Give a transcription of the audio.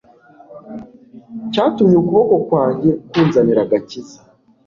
cyatumye ukuboko kwanjye kunzanira agakiza